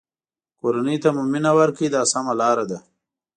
کورنۍ ته مو مینه ورکړئ دا سمه لاره ده.